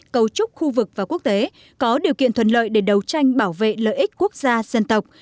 cấu trúc khu vực và quốc tế có điều kiện thuận lợi để đấu tranh bảo vệ lợi ích quốc gia dân tộc